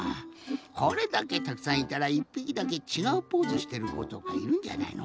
これだけたくさんいたら１ぴきだけちがうポーズしてることかいるんじゃないの？